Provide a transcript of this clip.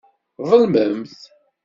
Tḍelmemt.